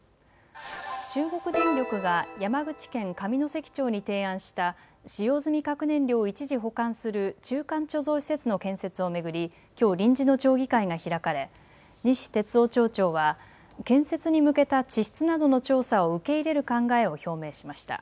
中国電力が、山口県上関町に提案した、使用済み核燃料を一時保管する中間貯蔵施設の建設を巡り、きょう、臨時の町議会が開かれ、西哲夫町長は、建設に向けた地質などの調査を受け入れる考えを表明しました。